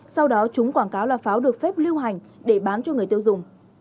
sau đó chúng quảng cáo là pháo được phép lưu hành để bán cho người tiêu dùng